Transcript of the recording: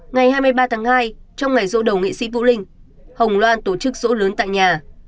ngày hai mươi ba tháng hai trong ngày dỗ đầu nghệ sĩ vũ linh hồng loan tổ chức dỗ lớn tại nhà